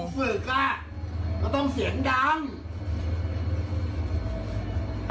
ไม่ต้องฝึกล่ะก็ต้องเสียงดำ